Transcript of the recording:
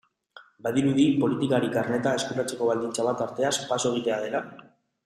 Badirudi politikari karneta eskuratzeko baldintza bat arteaz paso egitea dela?